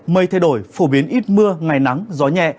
mây thay đổi phổ biến ít mưa ngày nắng gió nhẹ